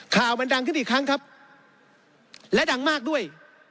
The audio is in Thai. ข่าวมันดังขึ้นอีกครั้งครับและดังมากด้วย